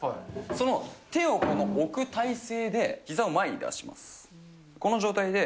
その手を置く体勢でひざを前に出します。